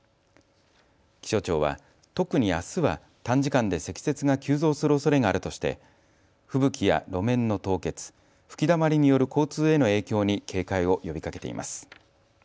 気象庁は、特にあすは短時間で積雪が急増するおそれがあるとして吹雪や路面の凍結、吹きだまりによる交通への影響に警戒を呼びかけています。